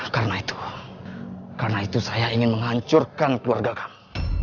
karena itu karena itu saya ingin menghancurkan keluarga kamu